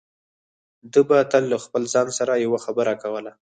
ده به تل له خپل ځان سره يوه خبره کوله.